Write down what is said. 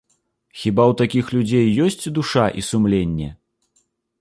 Хіба ў такіх людзей ёсць душа і сумленне?